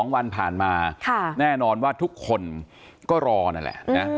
๒วันผ่านมาแน่นอนว่าทุกคนก็รอนั่นแหละนะ